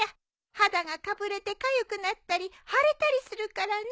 肌がかぶれてかゆくなったり腫れたりするからね。